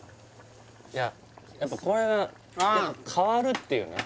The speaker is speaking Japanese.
やっぱこれは変わるっていうね